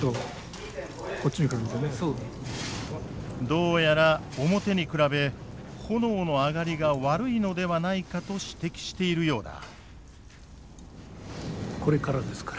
どうやら表に比べ炎の上がりが悪いのではないかと指摘しているようだ。